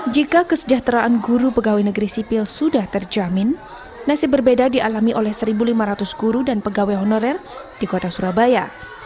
jika kesejahteraan guru pegawai negeri sipil sudah terjamin nasib berbeda dialami oleh satu lima ratus guru dan pegawai honorer di kota surabaya